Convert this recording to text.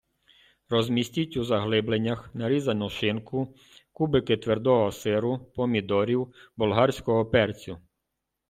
розмістіть у заглибленнях нарізану шинку, кубики твердого сиру, помідорів, болгарського перцю.